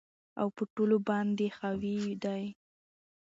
او په ټولو باندي حاوي دى